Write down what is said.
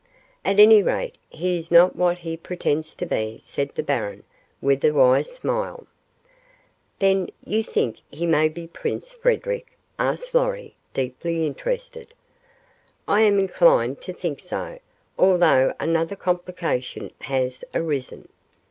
"At any rate, he is not what he pretends to be," said the baron, with a wise smile. "Then, you think he may be Prince Frederic?" asked Lorry, deeply interested. "I am inclined to think so, although another complication has arisen.